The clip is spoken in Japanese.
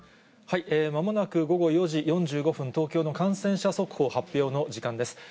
まもなく午後４時４５分、東京の感染者速報、発表の時間です。